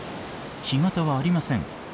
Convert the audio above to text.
干潟はありません。